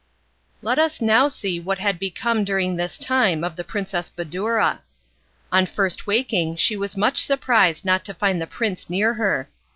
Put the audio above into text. Let us now see what had become during this time of the Princess Badoura. On first waking she was much surprised not to find the prince near her.